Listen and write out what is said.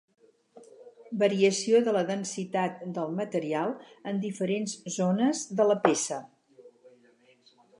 Variació de la densitat del material en diferents zones de la peça.